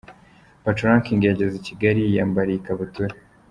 Patoranking yageze i Kigali yiyambariye ikabutura.